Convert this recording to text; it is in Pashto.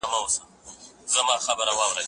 زه اجازه لرم چي لوښي وچوم!.